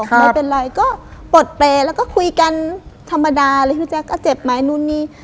ไม่เป็นไรก็ปลดเปรย์แล้วก็คุยกันธรรมดาเลยพี่แจ๊คก็เจ็บไหมนู่นนี่